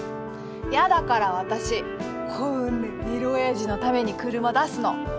嫌だから私こんなエロおやじのために車出すの。